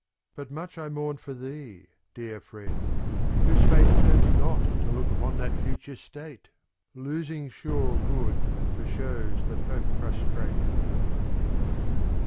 But much I mourn for thee, dear friend, whose face Turns not to look upon that future state. Losing sure good for shows that hope frustrate.